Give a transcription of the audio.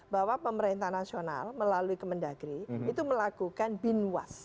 bahwa pemerintah nasional melalui kemendagri itu melakukan binwas